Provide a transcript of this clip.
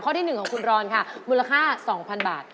ข้อที่หนึ่งของคุณรรณค่ะมูลค่า๒๐๐๐บาท